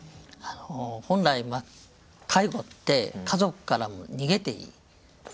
本来介護って家族からも逃げていい。